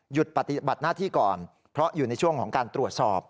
ปฏิบัติหน้าที่ก่อนเพราะอยู่ในช่วงของการตรวจสอบ